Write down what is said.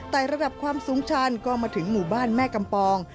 แต่ระดับความสูงชันก็มาถึงหมู่บ้านแม่กำปอง